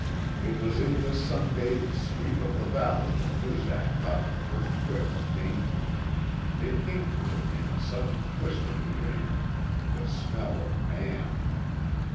It was in this sun bathed sweep of the valley that Noozak caught the first whiff of danger. It came to her in a sudden twist of the wind the smell of man!